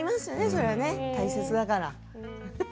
そりゃあね、大切だから。